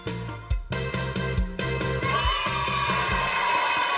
สวัสดีค่ะคุณชนะ